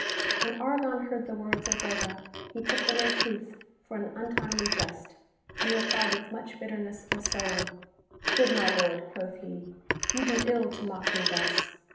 When Argon heard the words of Boga he took them in truth for an untimely jest, and replied with much bitter ness of soul :" Good my Lord," quoth he, " you do ill to mock me thus